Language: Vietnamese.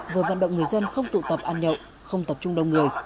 vừa vận động người dân không tụ tập ăn nhậu không tập trung đông người